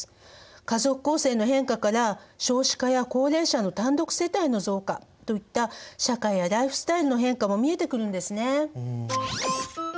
家族構成の変化から少子化や高齢者の単独世帯の増加といった社会やライフスタイルの変化も見えてくるんですね。